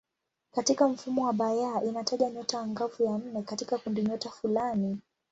Katika mfumo wa Bayer inataja nyota angavu ya nne katika kundinyota fulani.